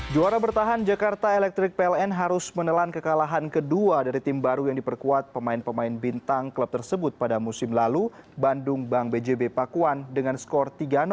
juara bertahan jakarta electric pln harus menelan kekalahan kedua dari tim baru yang diperkuat pemain pemain bintang klub tersebut pada musim lalu bandung bank bjb pakuan dengan skor tiga